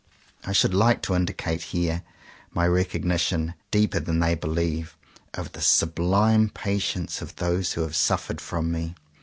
I should like to indicate here my recog nition, deeper than they believe, of the sub lime patience of those who have suffered from me.